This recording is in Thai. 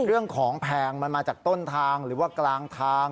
เรื่องของแพงมันมาจากต้นทางหรือว่ากลางทาง